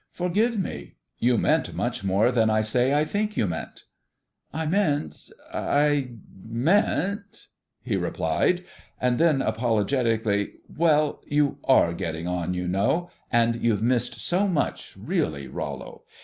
"Forgive me. You meant much more than I say I think you meant." "I meant I meant " he replied; and then, apologetically, "well, you are getting on, you know, and you've missed so much, really, Rollo.